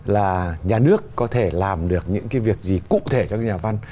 là nhà nước có thể làm được những cái việc gì cụ thể cho nhà văn